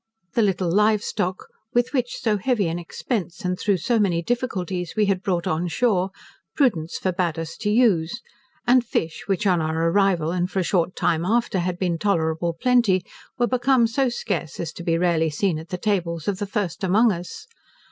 The little live stock, which with so heavy an expense, and through so many difficulties, we had brought on shore, prudence forbade us to use; and fish, which on our arrival, and for a short time after had been tolerable plenty, were become so scarce, as to be rarely seen at the tables of the first among us.